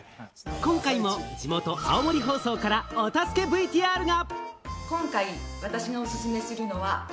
今回も地元・青森放送からお助けＶＴＲが。